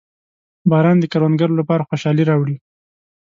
• باران د کروندګرو لپاره خوشحالي راوړي.